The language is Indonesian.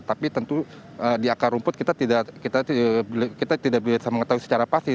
tapi tentu di akar rumput kita tidak bisa mengetahui secara pasti